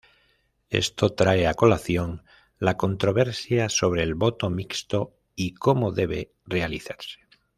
Esto trae a colación la controversia sobre el voto mixto y cómo debe realizarse.